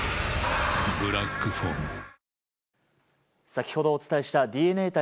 先ほどお伝えしたＤｅＮＡ対